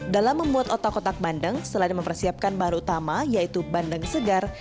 dalam membuat otak otak bandeng selain mempersiapkan bahan utama yaitu bandeng segar